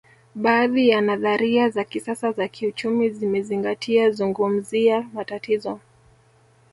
Baadhi ya nadharia za kisasa za kiuchumi zimezingatia kuzungumzia matatizo